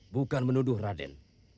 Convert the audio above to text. bukan menuduh raden